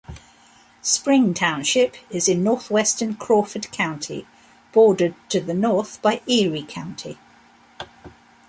Spring Township is in northwestern Crawford County, bordered to the north by Erie County.